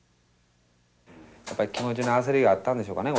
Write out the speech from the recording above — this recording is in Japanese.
やっぱり気持ちの焦りがあったんでしょうかね